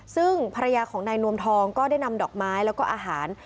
ซึ่งภรรยาของนายนวมทองก็ได้นำดอกไม้แล้วก็อาหาร